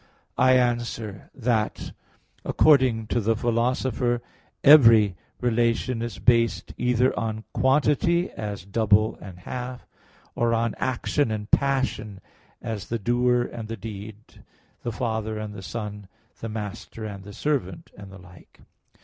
I answer that, According to the Philosopher (Metaph. v), every relation is based either on quantity, as double and half; or on action and passion, as the doer and the deed, the father and the son, the master and the servant, and the like.